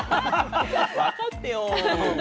分かってよ。